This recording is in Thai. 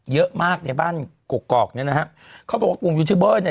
เยอะมากในบ้านกกอกเนี่ยนะฮะเขาบอกว่ากลุ่มยูทูบเบอร์เนี่ย